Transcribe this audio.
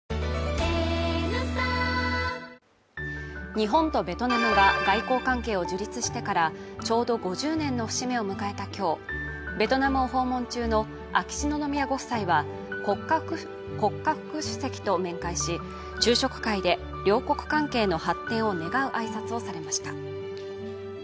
日本とベトナムが外交関係を樹立してからちょうど５０年の節目を迎えた今日、ベトナムを訪問中の秋篠宮ご夫妻は国家副主席と面会し、昼食会で両国関係の発展を願う挨拶をされました。